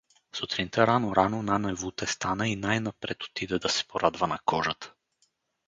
Сутринта рано-рано нане Вуте стана и най-напред отиде да се порадва на кожата.